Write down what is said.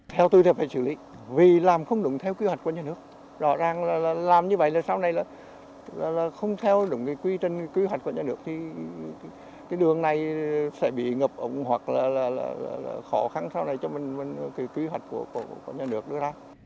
không theo đúng cái quy trình cái kế hoạch của nhà nước thì cái đường này sẽ bị ngập ổng hoặc là khó khăn sau này cho mình cái kế hoạch của nhà nước nữa ra